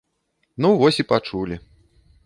Ну, вось і пачулі.